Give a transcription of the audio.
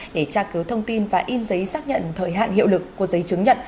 để tra cứu thông tin và in giấy xác nhận thời hạn hiệu lực của giấy chứng nhận